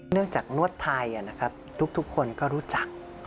เนื่องจากนวดไทยทุกคนก็รู้จัก